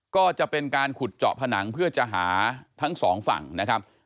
ก็จะเป็นการขุดเจาะผนังเพื่อจะหาทั้งสองฝั่งนะครับ